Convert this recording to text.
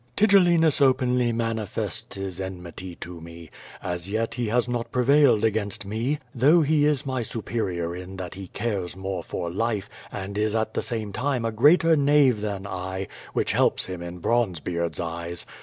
Tigellinus openly manifests his enmity to me. As yet he has not prevailed against me, though he is my superior in that he cares more for life and is at the same time a greater knave than I, which helps him in Bronzebeard's eyes.